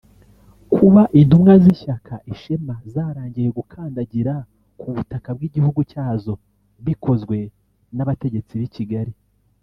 Kuba intumwa z’ishyaka Ishema zarangiwe gukandagira ku butaka bw’igihugu cyazo bikozwe n’abategetsi b’i Kigali